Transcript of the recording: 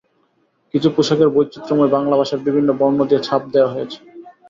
কিছু পোশাকের বৈচিত্রময় বাংলা ভাষার বিভিন্ন বর্ণ দিয়ে ছাপ দেওয়া হয়েছে।